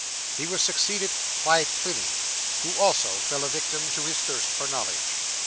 He was succeeded by Pliny, who also fell a victim to his thirst for knowledge.